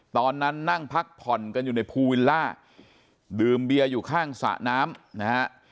ตอนนั้นนั่งพักผ่อนกันอยู่ในภูวิลล่าดื่มเบียร์อยู่ข้างสระน้ำนะฮะ